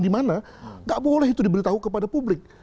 dimana nggak boleh itu diberitahu kepada publik